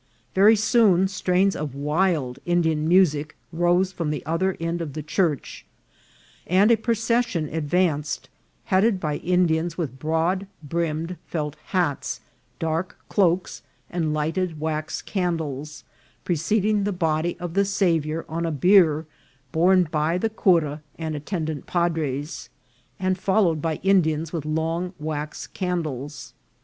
Very soon strains of wild Indian music rose from the other end of the church, and a procession advanced, headed by Indians with broad brimmed felt hats, dark cloaks, and lighted wax candles, preceding the body of the Saviour on a bier borne by the cura and attend ant padres, and followed by Indians with long wax can dles.